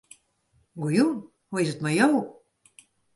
Goejûn, hoe is 't mei jo?